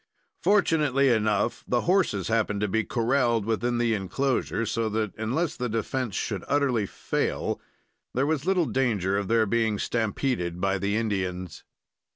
Fortunately enough, the horses happened to be corraled within the inclosure, so that, unless the defense should utterly fail, there was little danger of their being stampeded by the Indians.